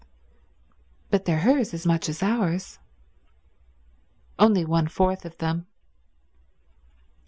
"But they're hers as much as ours." "Only one fourth of them."